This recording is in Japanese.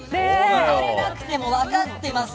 言われなくても分かってます。